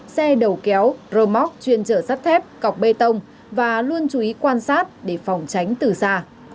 xe đầu kéo rô móc chuyên trở sát thép cọc bê tông và luôn chú ý quan sát để phòng tránh từ xa